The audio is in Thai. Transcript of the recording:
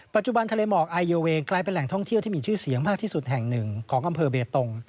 ทะเลหมอกไอโยเวงกลายเป็นแหล่งท่องเที่ยวที่มีชื่อเสียงมากที่สุดแห่งหนึ่งของอำเภอเบตง